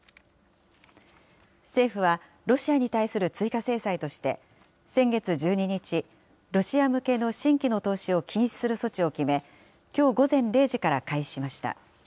政府は、ロシアに対する追加制裁として、先月１２日、ロシア向けの新規の投資を禁止する措置を決め、きょう午前０時から開始しました。